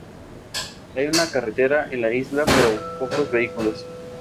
Hay una carretera en la isla pero pocos vehículos.